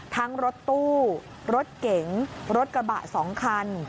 รถตู้รถเก๋งรถกระบะ๒คัน